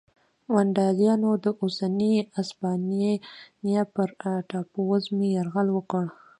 ونډالیانو د اوسنۍ هسپانیا پر ټاپو وزمې یرغل وکړ